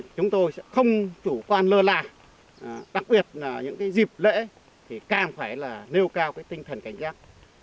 chúng tôi sẽ không chủ quan lơ la đặc biệt là những cái dịp lễ thì càng phải là nêu cao cái tinh thần cảnh giác